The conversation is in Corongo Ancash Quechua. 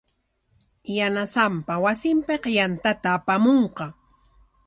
Yanasanpa wasinpik yantata apamunqa.